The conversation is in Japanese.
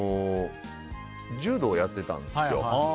柔道やってたんですよ。